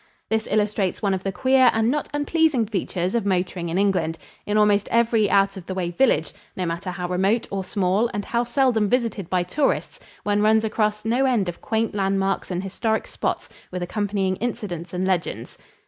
This illustrates one of the queer and not unpleasing features of motoring in England. In almost every out of the way village, no matter how remote or small and how seldom visited by tourists, one runs across no end of quaint landmarks and historic spots with accompanying incidents and legends.